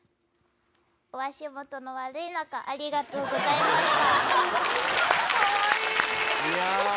お足元の悪い中、ありがとうございました。